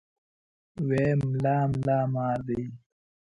وې ملا ملا مار دی.